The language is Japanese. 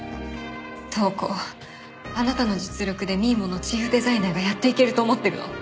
塔子あなたの実力でＭｉ−ｍｏのチーフデザイナーがやっていけると思ってるの？